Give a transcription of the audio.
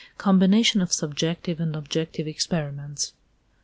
COMBINATION OF SUBJECTIVE AND OBJECTIVE EXPERIMENTS.